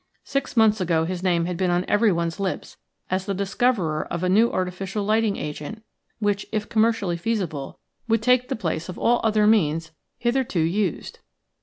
Six months ago his name had been on everyone's lips as the discoverer of a new artificial lighting agent which, if commercially feasible, would take the place of all other means hitherto used.